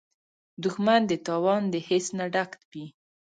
دښمن د تاوان د حس نه ډک وي